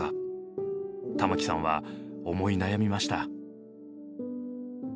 玉置さんは思い悩みました。